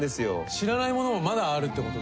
知らないものもまだあるってこと。